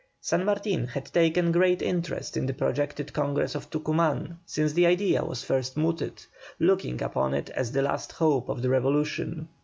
San Martin had taken great interest in the projected Congress of Tucuman since the idea was first mooted, looking upon it as the last hope of the revolution.